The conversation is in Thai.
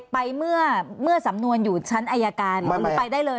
ไปเมื่อสำนวนอยู่ชั้นอายการหรือไปได้เลย